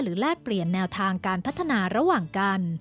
แลกเปลี่ยนแนวทางการพัฒนาระหว่างกัน